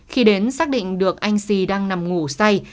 khi đến xác định được anh xì đang nằm ngủ say